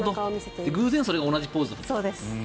偶然それが同じポーズだったと。